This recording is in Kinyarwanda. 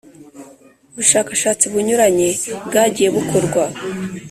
ubushakashatsi bunyuranye bwagiye bukorwa,